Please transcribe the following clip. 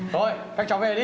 thôi các cháu về đi